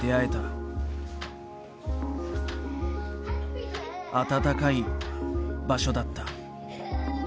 温かい場所だった。